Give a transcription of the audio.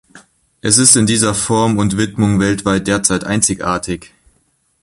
Es ist in dieser Form und Widmung weltweit derzeit einzigartig.